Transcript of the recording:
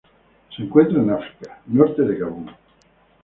Se encuentran en África:norte de Gabón.